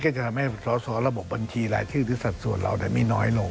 จะทำให้สอสอระบบบัญชีรายชื่อหรือสัดส่วนเราไม่น้อยลง